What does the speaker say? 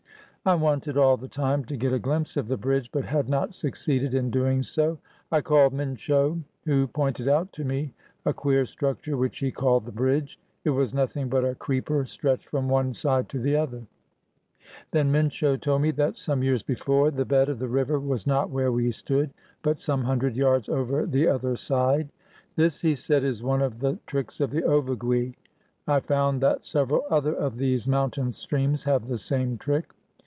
I wanted all the time to get a glimpse of the bridge, but had not succeeded in doing so. I called Minsho, who pointed out to me a queer structure which he called the bridge. It was nothing but a creeper stretched from one side to the other. Then Minsho told me that some years before the bed 423 WESTERN AND CENTRAL AFRICA of the river was not where we stood, but some hundred yards over the other side. " This," he said, "is one of the tricks of the Ovigui." I found that several other of these mountain streams have the same trick.